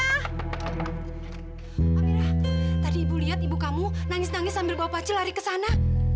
aminah tadi ibu lihat ibu kamu nangis nangis sambil bawa paci lari ke sana